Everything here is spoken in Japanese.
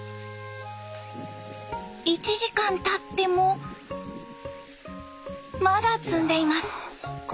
１時間たってもまだ摘んでいます。